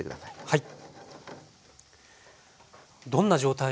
はい。